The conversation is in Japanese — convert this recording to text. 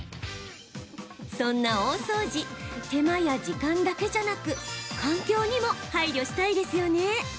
そんな大掃除手間や時間だけじゃなく環境にも配慮したいですよね。